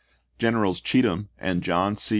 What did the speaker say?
1 Generals Cheatham and John C.